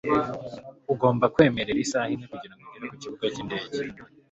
ugomba kwemerera isaha imwe kugirango ugere kukibuga cyindege